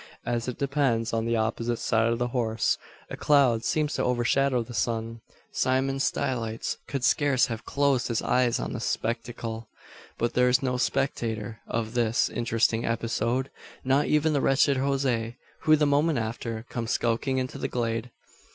As it descends on the opposite side of the horse, a cloud seems to overshadow the sun. Simon Stylites could scarce have closed his eyes on the spectacle. But there is no spectator of this interesting episode; not even the wretched Jose; who, the moment after, comes skulking into the glade.